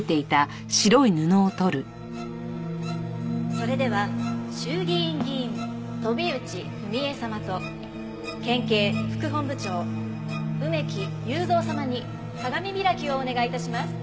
それでは衆議院議員飛内文枝様と県警副本部長梅木悠三様に鏡開きをお願い致します。